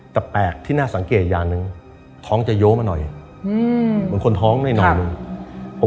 แต่แปลกที่น่าสังเกตอย่างนึงท้องจะโย้วมาหน่อยผมข้อมน้องแน่นอนนึง